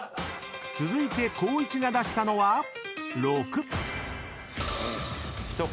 ［続いて光一が出したのは６］